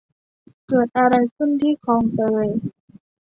เกิดอะไรขึ้นที่คลองเตย ?